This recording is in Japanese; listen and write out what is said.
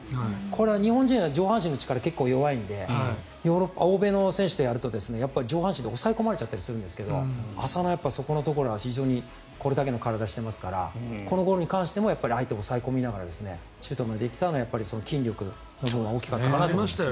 これは日本人は上半身の力が結構弱いのでヨーロッパ、欧米の選手とやると上半身で押さえ込まれたりするんですけど浅野はそこのところはこれだけの体をしてますからこのゴールに関しても相手を抑え込みながらシュートできたのは筋力の部分が大きかったのかなと。